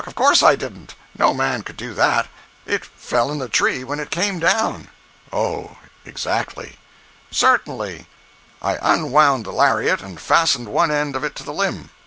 Of course I didn't. No man could do that. It fell in the tree when it came down." "Oh—exactly." "Certainly. I unwound the lariat, and fastened one end of it to the limb.